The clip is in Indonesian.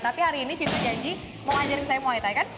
tapi hari ini cintu janji mau ajarin saya muay thai kan